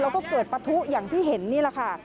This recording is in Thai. แล้วก็เกิดปะทุอย่างที่เห็นนี่แหละค่ะ